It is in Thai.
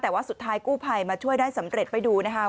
แต่ว่าสุดท้ายกู้ภัยมาช่วยได้สำเร็จไปดูนะคะ